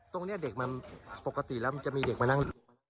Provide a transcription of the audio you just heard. ตรงนี้เด็กมันปกติแล้วมันจะมีเด็กมานั่งอยู่